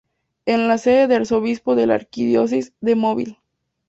Es la sede del arzobispo de la Arquidiócesis de Mobile.